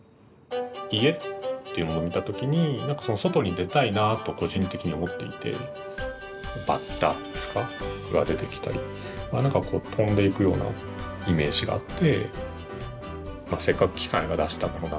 「家」っていうのを見た時に何か外に出たいなと個人的に思っていてバッタが出てきたり何か飛んでいくようなイメージがあって。